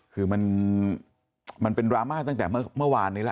คือมันเป็นดราม่าตั้งแต่เมื่อวานนี้แล้ว